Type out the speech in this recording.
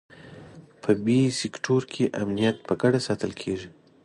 په بي سیکټور کې امنیت په ګډه ساتل کېږي.